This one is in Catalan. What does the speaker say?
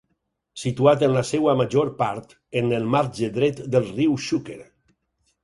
Situat en la seva major part en el marge dret del riu Xúquer.